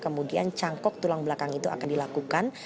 kemudian cangkok tulang belakang itu akan dilakukan